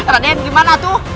raden gimana tuh